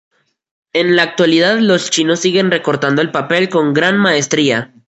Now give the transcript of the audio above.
En la actualidad los chinos siguen recortando el papel con gran maestría.